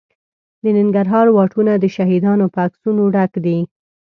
د ننګرهار واټونه د شهیدانو په عکسونو ډک دي.